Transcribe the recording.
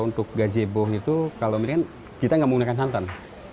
untuk gajebo itu kalau mendingan kita tidak menggunakan santan